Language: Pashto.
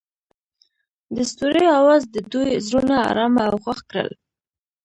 د ستوري اواز د دوی زړونه ارامه او خوښ کړل.